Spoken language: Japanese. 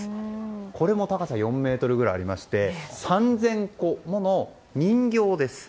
これも高さ４ｍぐらいありまして３０００個もの人形です。